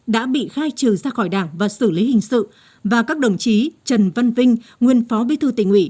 đã bị khai trừ ra khỏi đảng và xử lý hình sự và các đồng chí trần văn vinh nguyên phó bí thư tỉnh ủy